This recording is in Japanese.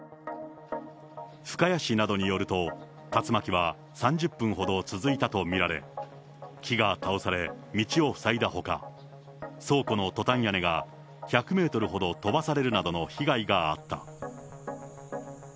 深谷市などによると、竜巻は３０分ほど続いたと見られ、木が倒され、道を塞いだほか、倉庫のトタン屋根が１００メートルほど飛ばされるなどの被害があった。